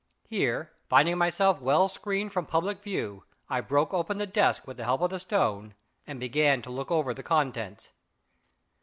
Here, finding myself well screened from public view, I broke open the desk with the help of the stone, and began to look over the contents.